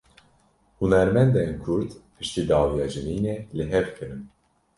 Hunermendên kurd, piştî dawiya civînê li hev kirin.